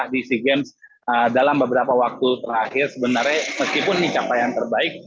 di sea games dalam beberapa waktu terakhir sebenarnya meskipun ini capaian terbaik